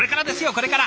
これから！